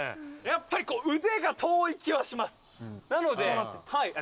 やっぱりこう腕が遠い気はします。